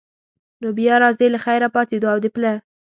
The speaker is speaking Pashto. نو بیا راځئ له خیره، پاڅېدو او د پله.